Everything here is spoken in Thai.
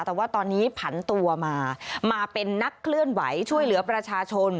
แต่ว่าตอนนี้ผันตัวมามาเป็นนักเคลื่อนไหวช่วยเหลือประชาชน